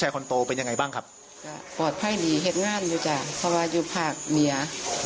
เหมือนจะอยู่ภาคเมีย